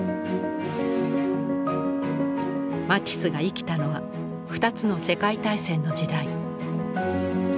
マティスが生きたのは２つの世界大戦の時代。